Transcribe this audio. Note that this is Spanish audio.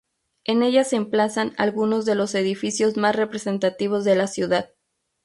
En ella se emplazan algunos de los edificios más representativos de la ciudad.